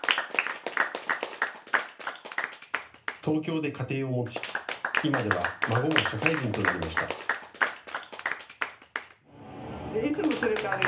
東京で家庭を持ち、今では孫も社会人となりました。